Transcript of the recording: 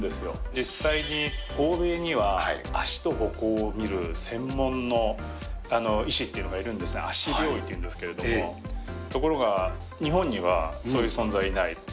実際に欧米には足と歩行を見る専門の医師っていうのがいるんですが、足病医というんですけど、ところが、日本にはそういう存在いない。